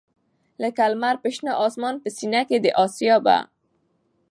لکه لــــمــر پر شــــنه آســــمـــان په ســــینـه کـــي د آســــــــــیا به